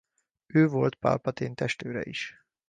Ő volt Palpatine testőre is.